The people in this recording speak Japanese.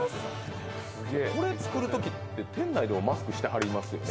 これ作るときって店内でもマスクしてますよね。